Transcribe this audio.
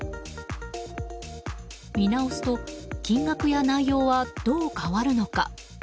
見直すと、金額や内容はどう変わるのか？